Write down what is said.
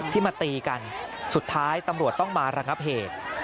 ที่มาตีกันสุดท้ายตำรวจต้องมาระงับเหตุ